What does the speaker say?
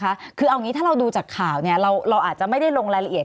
คือเอางี้ถ้าเราดูจากข่าวเนี่ยเราอาจจะไม่ได้ลงรายละเอียด